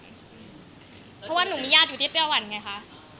เพราะว่าหนูมีญาติอยู่ที่ไต้หวันไงคะ